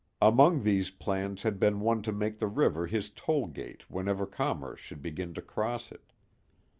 Among these plans had been one to make the river his toll gate whenever commerce should begin to cross it.